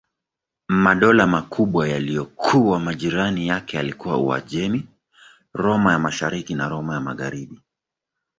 Madola makubwa yaliyokuwa majirani yake yalikuwa Uajemi, Roma ya Mashariki na Roma ya Magharibi.